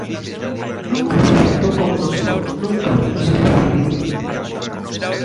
Nunca se sentou connosco, nunca nos recibiu.